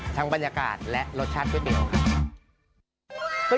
บรรยากาศและรสชาติก๋วยเตี๋ยวครับ